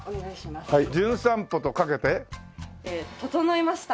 整いました。